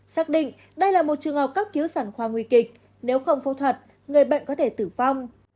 xác định đây là một trường hợp cấp cứu sản khoa nguy kịch nếu không phẫu thuật người bệnh có thể tử vong